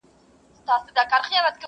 له یوه ورانه تر بل پوري به پلن وو!.